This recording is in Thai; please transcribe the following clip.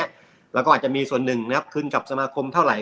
อย่างเงี้ยแล้วก็อาจจะมีส่วนหนึ่งนะครับคืนกับสมาคมเท่าไหร่